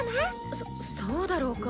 そっそうだろうか？